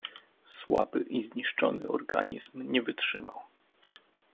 Słaby i zniszczony organizm nie wytrzymał.